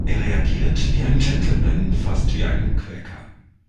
Er reagiert wie ein Gentleman, fast wie ein Quäker.